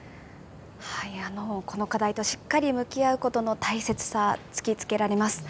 この課題としっかり向き合うことの大切さ、突きつけられます。